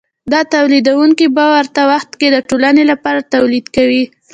دا تولیدونکي په ورته وخت کې د ټولنې لپاره تولید کوي